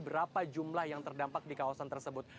berapa jumlah yang terdampak di kawasan tersebut